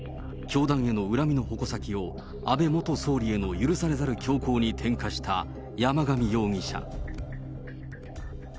教団への恨みの矛先を、安倍元総理への許されざる強行に転嫁した山上容疑者。